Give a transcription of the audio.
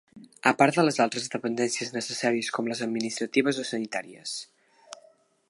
A part de les altres dependències necessàries com les administratives o sanitàries.